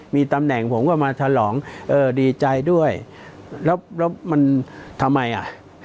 มีตำแหน่งผมก็มาฉลองเออดีใจด้วยแล้วแล้วมันทำไมอ่ะ